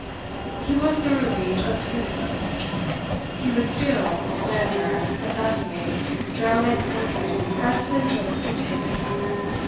He was thoroughly unscrupulous. He would steal, slander, assassinate, drown, and poison, as his interest dictated.